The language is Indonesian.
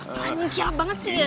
apaan mengkilap banget sih